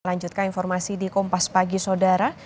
lanjutkan informasi di kompas pagi saudara